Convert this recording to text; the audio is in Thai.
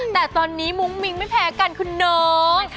แต่ตอนนี้มุ้งมิ้งไม่แพ้กันคุณน้อง